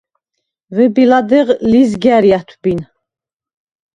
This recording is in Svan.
ვები ლადეღ ლიზგა̈რი ა̈თვბინ;